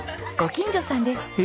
ご近所さんです。